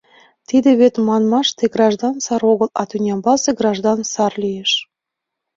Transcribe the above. Тиде вет, манмаште, граждан сар огыл, а Тӱнямбалсе Граждан Сар лиеш...